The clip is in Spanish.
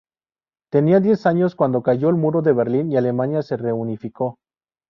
Tenía diez años cuando cayó el Muro de Berlín y Alemania se reunificó.